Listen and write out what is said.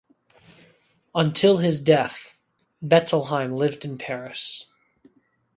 Until his death, Bettelheim lived in Paris.